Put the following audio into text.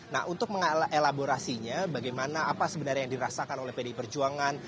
nah untuk mengelaborasinya bagaimana apa sebenarnya yang dirasakan oleh pdi perjuangan